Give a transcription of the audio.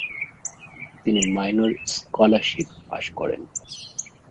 তিনি minor scholarship pass করেন।